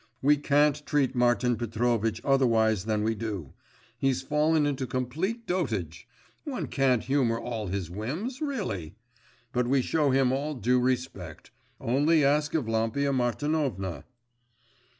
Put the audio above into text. We can't treat Martin Petrovitch otherwise than we do; he's fallen into complete dotage. One can't humour all his whims, really. But we show him all due respect. Only ask Evlampia Martinovna.